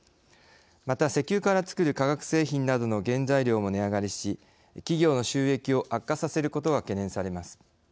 また石油から作る化学製品などの原材料も値上がりし企業の収益を悪化させることが懸念されます。